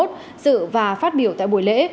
dự và phát biểu tại buổi lễ